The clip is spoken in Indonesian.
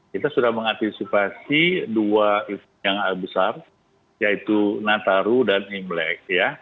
kita sudah mengantisipasi dua yang besar yaitu nataru dan imlek